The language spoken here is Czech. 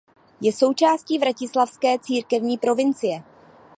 Je součástí Vratislavské církevní provincie.